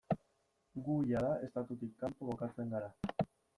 Gu jada estatutik kanpo kokatzen gara.